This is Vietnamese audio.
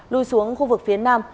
lui xuống khu vực phía nam